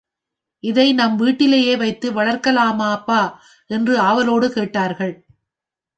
இதை நம் வீட்டிலேயே வைத்து வளர்க்கலாமாப்பா! என்று ஆவலோடு கேட்டார்கள்.